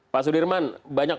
pak sudirman banyak